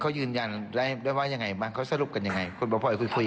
เขายืนยันได้ด้วยว่ายังไงบ้างเขาสรุปกันยังไงคุณหมอพลอยคุยคุย